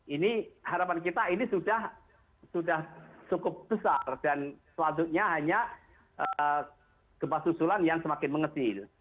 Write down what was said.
ini harapan kita ini sudah cukup besar dan selanjutnya hanya gempa susulan yang semakin mengecil